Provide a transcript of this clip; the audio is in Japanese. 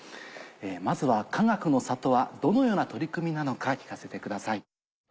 まずはかがくの里はどのような取り組みなのか聞かせてください。